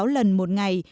bốn sáu lần một ngày